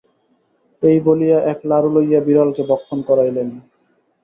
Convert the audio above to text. এই বলিয়া এক লাড়ু লইয়া বিড়ালকে ভক্ষণ করাইলেন।